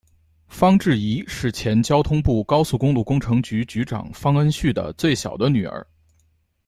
方智怡是前交通部高速公路工程局局长方恩绪的最小的女儿。